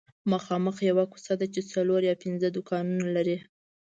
مخامخ یوه کوڅه ده چې څلور یا پنځه دوکانونه لري